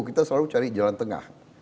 kita selalu cari jalan tengah